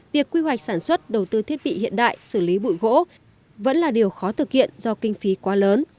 việc quy hoạch sản xuất đầu tư thiết bị hiện đại xử lý bụi gỗ vẫn là điều khó thực hiện do kinh phí quá lớn